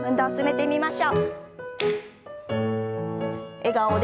笑顔で。